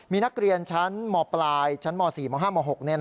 มีนักเรียนชั้นหมอปลายชั้นหมอสี่หมอห้าหมอหก